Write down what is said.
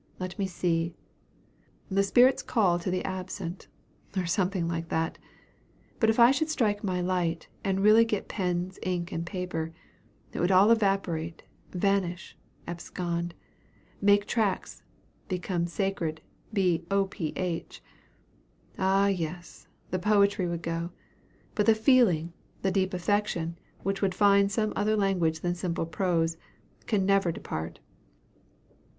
"Let me see 'The Spirit's Call to the Absent,' or something like that; but if I should strike my light, and really get pens, ink, and paper, it would all evaporate, vanish, abscond, make tracks, become scarce, be o. p. h. Ah, yes! the poetry would go, but the feeling, the deep affection, which would find some other language than simple prose, can never depart.